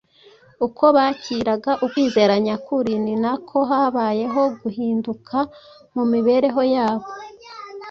Uko bakiraga ukwizera nyakuri ni nako habayeho guhinduka mu mibereho yabo.